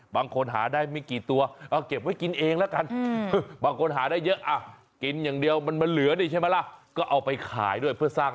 บางคนหาได้ไม่กี่ตัว